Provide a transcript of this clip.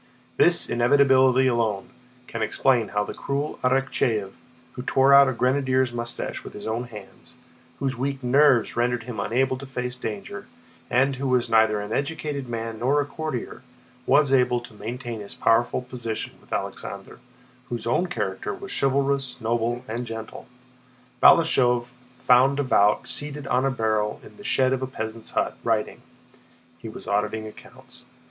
This inevitability alone can explain how the cruel Arakchéev, who tore out a grenadier's mustache with his own hands, whose weak nerves rendered him unable to face danger, and who was neither an educated man nor a courtier, was able to maintain his powerful position with Alexander, whose own character was chivalrous, noble, and gentle. Balashëv found Davout seated on a barrel in the shed of a peasant's hut, writing—he was auditing accounts.